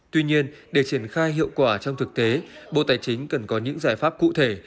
tuy nhiên để triển khai hiệu quả trong thực tế bộ tài chính cần có những giải pháp cụ thể